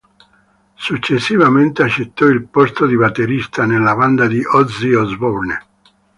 Successivamente accettò il posto di batterista nella band di Ozzy Osbourne.